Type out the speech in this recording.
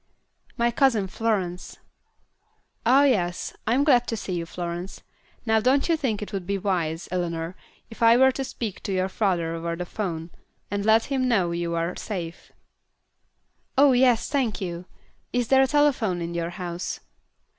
"My cousin Florence." "Ah, yes. I am glad to see you, Florence. Now don't you think it would be wise, Eleanor, if I were to speak to your father over the 'phone, and let him know you are safe?" "Oh, yes, thank you. Is there a telephone in the house?"